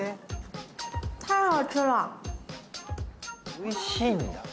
おいしいんだ。